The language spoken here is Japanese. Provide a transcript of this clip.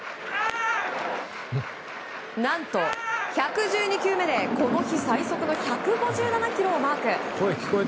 何と１１２球目でこの日最速の１５７キロをマーク。